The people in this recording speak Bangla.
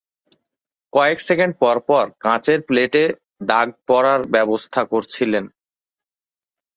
কয়েক সেকেন্ড পরপর কাচের প্লেটে দাগ পরার ব্যবস্থা করেছিলেন।